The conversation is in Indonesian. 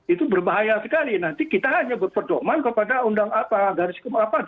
itu berbahaya sekali nanti kita hanya berperdoman kepada undang apa garis